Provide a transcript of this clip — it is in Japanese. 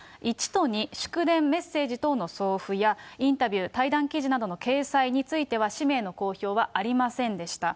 １と２、祝電、メッセージ等の送付や、インタビュー、対談記事などの掲載については、氏名の公表はありませんでした。